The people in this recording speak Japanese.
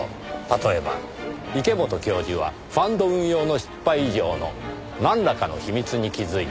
例えば池本教授はファンド運用の失敗以上のなんらかの秘密に気づいた。